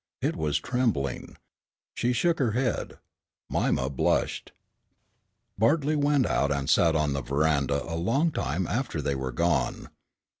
It was trembling. She shook her head. Mima blushed. Bartley went out and sat on the veranda a long time after they were gone.